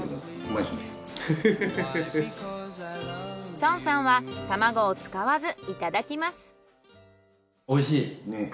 ソンさんは卵を使わずいただきます。